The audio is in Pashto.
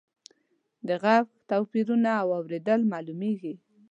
د غږ توپیرونه له اورېدلو معلومیږي.